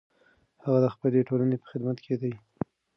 هغه د خپلې ټولنې په خدمت کې دی.